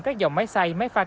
các dòng máy xay máy pha cà phê